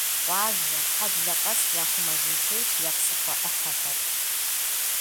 Къуажэ, хьэблэ къэс яхъумэжын хуейщ я псыхъуэ Ӏыхьэхэр.